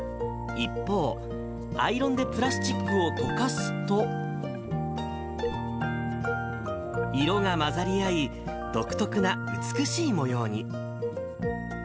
一方、アイロンでプラスチックを溶かすと、色が混ざり合い、独特な美しい模様に。